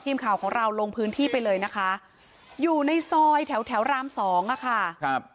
ทีมข่าวของเราลงพื้นที่ไปเลยนะคะอยู่ในซอยแถวราม๒นะค่ะ